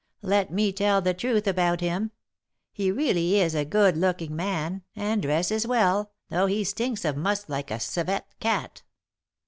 Let me tell the truth about him; he really is a good looking man, and dresses well, though he stinks of musk like a civet cat.